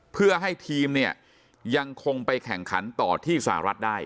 เพื่อให้ทีมเนี่ยยังคงไปแข่งขันต่อที่สหรัฐได้